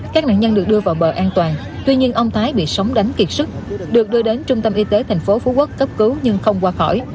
các nạn nhân được đưa vào bờ an toàn trung tâm y tế tp phú quốc cấp cứu nhưng không qua khỏi